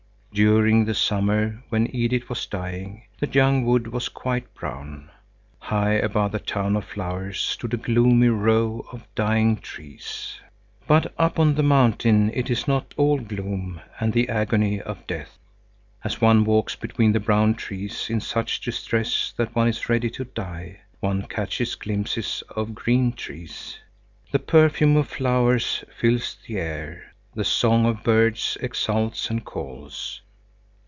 During the summer when Edith was dying, the young wood was quite brown. High above the town of flowers stood a gloomy row of dying trees. But up on the mountain it is not all gloom and the agony of death. As one walks between the brown trees, in such distress that one is ready to die, one catches glimpses of green trees. The perfume of flowers fills the air; the song of birds exults and calls.